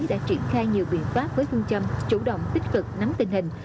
đã triển khai nhiều biện pháp với phương châm chủ động tích cực nắm tình hình